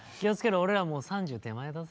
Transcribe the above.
俺らもう３０手前だぜ。